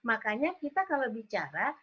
makanya kita kalau bicara